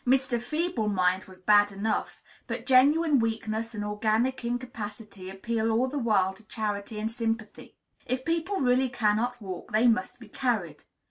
Mr. Feeble Mind was bad enough; but genuine weakness and organic incapacity appeal all the while to charity and sympathy. If people really cannot walk, they must be carried.